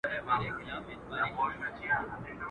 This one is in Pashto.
هسي نه چي د قصاب جوړه پلمه سي.